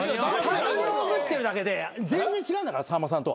太陽ぶってるだけで全然違うんだからさんまさんと。